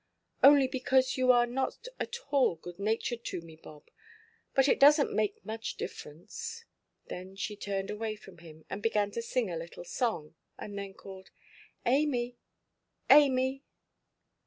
"Only because you are not at all good–natured to me, Bob. But it doesnʼt make much difference." Then she turned away from him, and began to sing a little song, and then called, "Amy, Amy!"